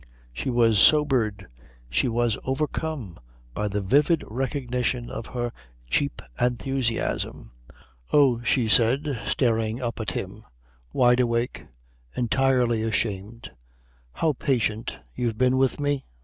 She was sobered. She was overcome by the vivid recognition of her cheap enthusiasm. "Oh," she said, staring up at him, wide awake, entirely ashamed, "how patient you've been with me!"